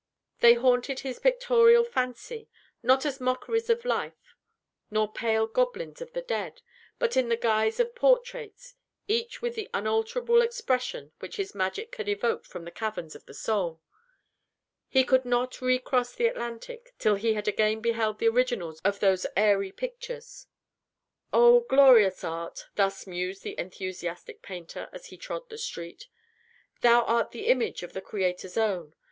They haunted his pictorial fancy, not as mockeries of life, nor pale goblins of the dead, but in the guise of portraits, each with the unalterable expression which his magic had evoked from the caverns of the soul. He could not recross the Atlantic, till he had again beheld the originals of those airy pictures. "Oh, glorious Art!" thus mused the enthusiastic painter, as he trod the street. "Thou art the image of the Creator's own.